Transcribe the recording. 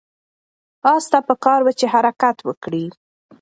آس ته پکار وه چې حرکت وکړي.